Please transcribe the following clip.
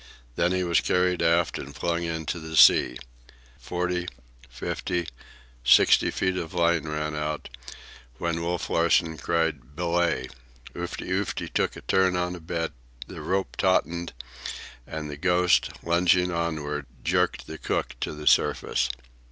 Then he was carried aft and flung into the sea. Forty,—fifty,—sixty feet of line ran out, when Wolf Larsen cried "Belay!" Oofty Oofty took a turn on a bitt, the rope tautened, and the Ghost, lunging onward, jerked the cook to the surface.